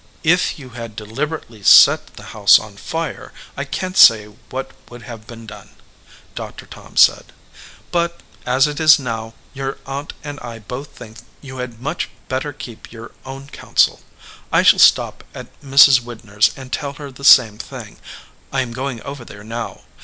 "If you had deliberately set the house on fire, I can t say what would have been done," Doctor Tom said ; "but as it is now, your aunt and I both think you had much better keep your own counsel. I shall stop at Mrs. Widner^s and tell her the same thing. I am going over there now.